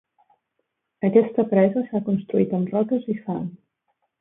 Aquesta presa s'ha construït amb roques i fang.